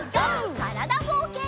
からだぼうけん。